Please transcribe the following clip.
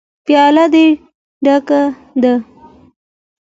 _پياله دې ډکه ده.